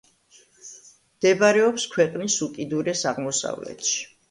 მდებარეობს ქვეყნის უკიდურეს აღმოსავლეთში.